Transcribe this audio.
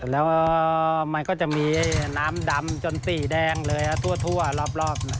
แล้วมันก็จะมีน้ำดำจนสีแดงเลยทั่วรอบ